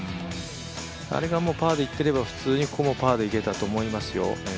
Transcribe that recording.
あれがパーでいってればここもパーでいけたと思いますよ。